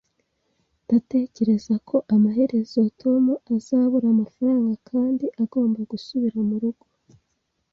Ndatekereza ko amaherezo Tom azabura amafaranga kandi agomba gusubira murugo